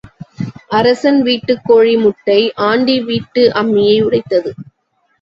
அரசன் வீட்டுக் கோழி முட்டை ஆண்டி வீட்டு அம்மியை உடைத்தது.